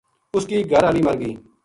اس کی گھر ہالی مر گئی